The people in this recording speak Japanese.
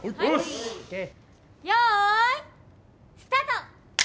よいスタート！